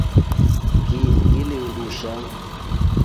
Ngili undusha.